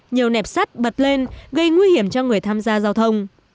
nhiều nẹp sắt bật lên gây nguy hiểm cho người tham gia giao thông